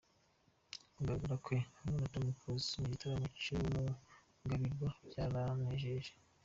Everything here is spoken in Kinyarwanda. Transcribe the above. Kugaragara kwe, hamwe na Tom Close mu gitaramo cy’Umugabirwa byaranejeje".